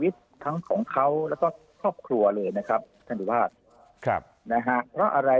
ทั้งของเขาแล้วก็ครอบครัวเลยนะครับท่านดูภาพครับนะฮะเพราะอะไร